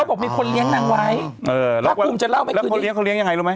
เขาบอกมีคนเลี้ยงนางไว้พระคุมจะเล่าไว้คือแล้วเขาเลี้ยงเขาเลี้ยงยังไงรู้ไหม